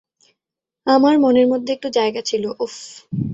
আমার মনের মধ্যে একটু জায়গা ছিল, উফ!